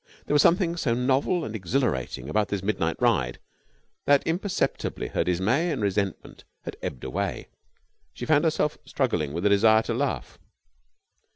There was something so novel and exhilarating about this midnight ride that imperceptibly her dismay and resentment had ebbed away. She found herself struggling with a desire to laugh.